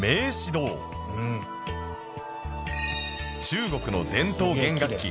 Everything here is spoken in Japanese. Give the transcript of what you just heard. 中国の伝統弦楽器